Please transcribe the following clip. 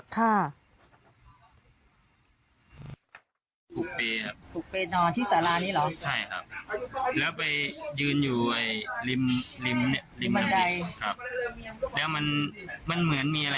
แค่ส่วนไหน